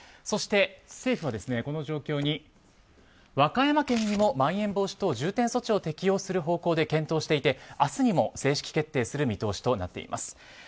そして、政府はこの状況に和歌山県にもまん延防止等重点措置を適用する方向で検討していて、明日にも正式決定する見通しとなっています。